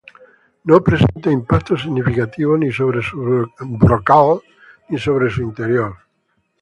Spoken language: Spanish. No presenta impactos significativos ni sobre su brocal ni sobre su interior.